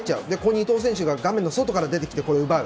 伊東選手が画面外から出てきて奪う。